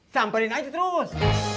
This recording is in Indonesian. samperin aja terus